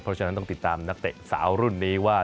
เพราะฉะนั้นต้องติดตามนักเตะสาวรุ่นนี้ว่า